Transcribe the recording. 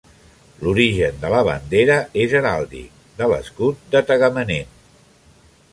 L'origen de la bandera és heràldic: de l'escut de Tagamanent.